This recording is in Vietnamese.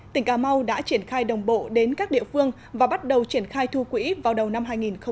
tỉnh cà mau đã triển khai đồng bộ đến các địa phương và bắt đầu triển khai thu quỹ vào đầu năm hai nghìn hai mươi